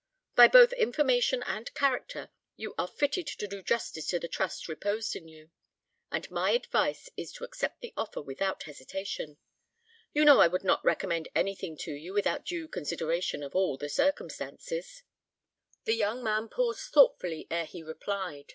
By both information and character you are fitted to do justice to the trust reposed in you, and my advice is to accept the offer without hesitation. You know I would not recommend anything to you without due consideration of all the circumstances." The young man paused thoughtfully ere he replied.